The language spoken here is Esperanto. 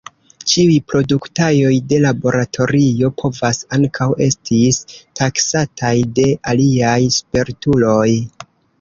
Ĉiuj produktaĵoj de laboratorio povas ankaŭ estis taksataj de aliaj spertuloj.